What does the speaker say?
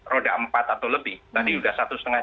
roda empat atau lebih